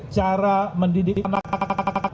cara mendidik anak anak